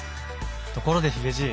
ところでヒゲじい。